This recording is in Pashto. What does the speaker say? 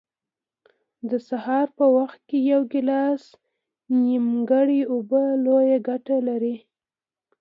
د سهار په وخت کې یو ګیلاس نیمګرمې اوبه لویه ګټه لري.